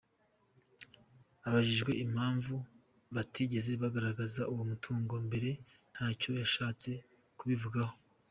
Abajijwe impamvu batigeze bagaragaza uwo mutungo mbere ntacyo yashatse kubivugaho.